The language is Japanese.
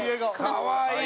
かわいい。